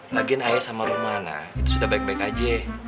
lagian ayah sama romana itu sudah baik baik aja